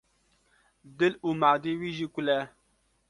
dil û madê wî jî kul e.